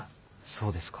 そうですか。